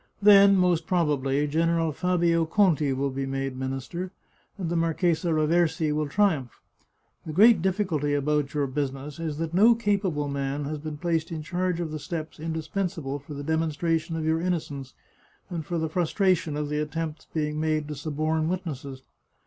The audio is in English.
Then, most probably, General Fabio Conti will be made minister, and the Marchesa Raversi will triumph. The great difficulty about your business is that no capable man has been placed in charge of the steps indis pensable for the demonstration of your innocence, and for the frustration of the attempts being made to suborn wit nesses.